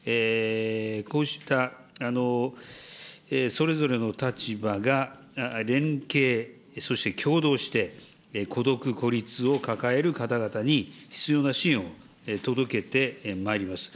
こうしたそれぞれの立場が、連携、そして協同して、孤独・孤立を抱える方々に、必要な支援を届けてまいります。